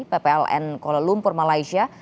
ppln kuala lumpur malaysia